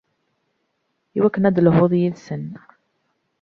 Iwakken ad d-telhuḍ yid-sen.